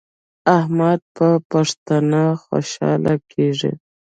احمد په پښتنه خوشحاله کیږي.